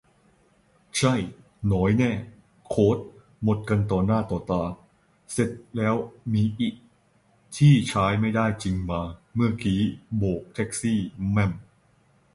ใช่ หน่อยแน่ โค้ด หมดกันต่อหน้าต่อตา เสร็จแล้วมีอิ ที่ใช้ไม่ได้จริงมา เมื่อกี้โบกแท็กซี่แม่ม